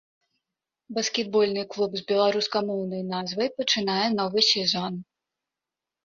Баскетбольны клуб з беларускамоўнай назвай пачынае новы сезон.